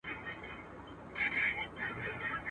ډېر ناوخته کارګه پوه سو غولېدلی.